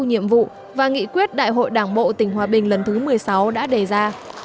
nhiệm vụ và nghị quyết đại hội đảng bộ tỉnh hòa bình lần thứ một mươi sáu đã đề ra